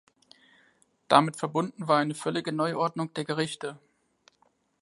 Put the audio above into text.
Damit verbunden war eine völlige Neuordnung der Gerichte.